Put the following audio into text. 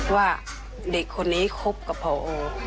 ว่าเด็กคนนี้คุบกับเขา